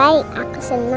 om baik udah sampe